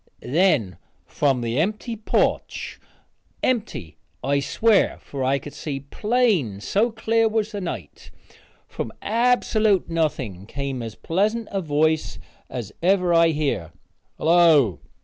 Then, from the empty porch, from the empty bench empty, I swear, for I could see plain, so clear was the night from absolute nothing come as pleasant a voice as ever I hear. "Hello!"